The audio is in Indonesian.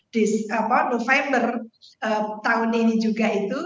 di november tahun ini juga itu